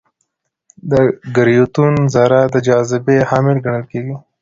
د ګرویتون ذره د جاذبې حامل ګڼل کېږي.